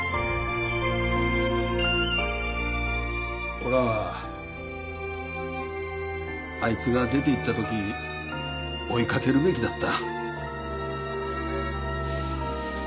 おらはあいつが出ていったとき追い掛けるべきだった。